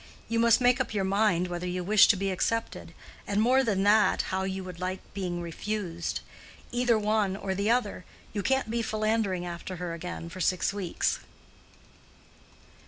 You must make up your mind whether you wish to be accepted; and more than that, how you would like being refused. Either one or the other. You can't be philandering after her again for six weeks."